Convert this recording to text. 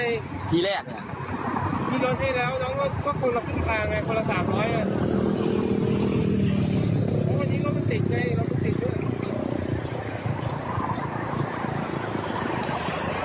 มีรถให้แล้วน้องรถก็คนละ๓๐๐บาท